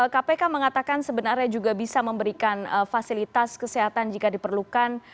kpk mengatakan sebenarnya juga bisa memberikan fasilitas kesehatan jika diperlukan